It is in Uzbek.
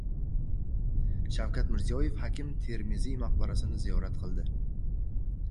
Shavkat Mirziyoev Hakim Termiziy maqbarasini ziyorat qildi